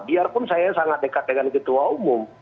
biarpun saya sangat dekat dengan ketua umum